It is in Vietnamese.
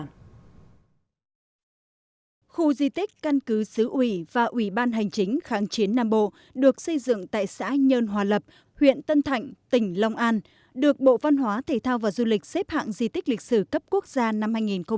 sáng nay tỉnh long an đã long trọng tổ chức lễ khánh thành khu di tích lịch sử căn cứ xứ ủy và ủy ban hành chính kháng chiến nam bộ tại xã nhân hòa lập huyện tân thạnh tỉnh long an được bộ văn hóa thể thao và du lịch xếp hạng di tích lịch sử cấp quốc gia năm hai nghìn bảy